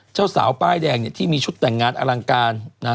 เจ้าสาวป้ายแดงเนี่ยที่มีชุดแต่งงานอลังการนะฮะ